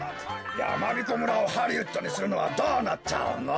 やまびこ村をハリウッドにするのはどうなっちゃうの？